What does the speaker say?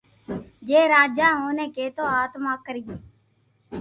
جي راجا اوني ڪآتو آتما ڪرتي